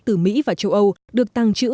từ mỹ và châu âu được tăng trữ